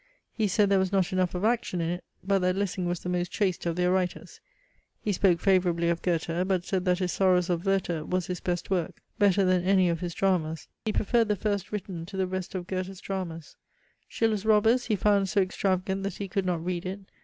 He said there was not enough of action in it; but that Lessing was the most chaste of their writers. He spoke favourably of Goethe; but said that his SORROWS OF WERTER was his best work, better than any of his dramas: he preferred the first written to the rest of Goethe's dramas. Schiller's ROBBERS he found so extravagant, that he could not read it.